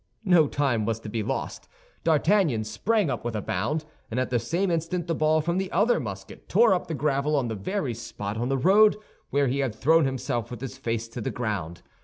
No time was to be lost. D'Artagnan sprang up with a bound, and at the same instant the ball from the other musket tore up the gravel on the very spot on the road where he had thrown himself with his face to the ground.